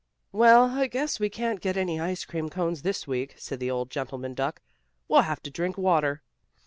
"Well, I guess we can't get any ice cream cones this week," said the old gentleman duck. "We'll have to drink water."